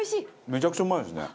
めちゃくちゃうまいですね。